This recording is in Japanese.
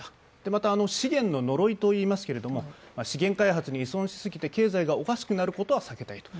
また資源の呪いといいますけど資源開発に依存しすぎて経済がおかしくなることは避けたいと。